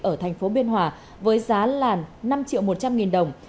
ở thành phố biên hòa với giá là năm triệu một trăm linh nghìn đồng